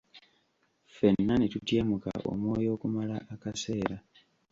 Fenna ne tutyemuka omwoyo okumala akaseera.